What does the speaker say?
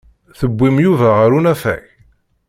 Tewwim Yuba ɣer unafag?